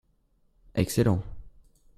excellent.